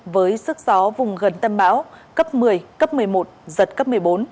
với sức gió vùng gần tâm bão cấp một mươi cấp một mươi một giật cấp một mươi bốn